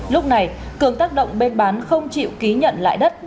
lúc này cường tác động bên bán không chịu ký nhận lại đất